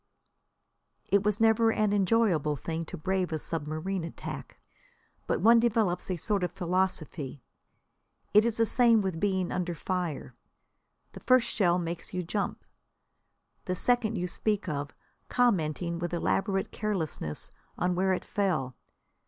It was never an enjoyable thing to brave submarine attack, but one develops a sort of philosophy. It is the same with being under fire. The first shell makes you jump. The second you speak of, commenting with elaborate carelessness on where it fell.